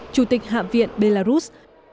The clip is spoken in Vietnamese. chủ tịch hạm viện belarus